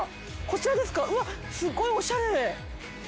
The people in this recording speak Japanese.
こちらですかうわっすごいおしゃれ。